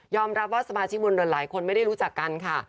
รับว่าสมาชิกวงดนหลายคนไม่ได้รู้จักกันค่ะ